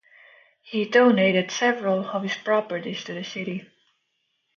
He donated several of his properties to the city.